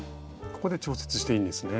ここで調節していいんですね。